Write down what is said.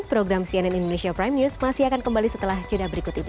program cnn indonesia prime news masih akan kembali setelah judah berikut ini